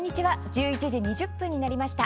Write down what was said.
１１時２０分になりました。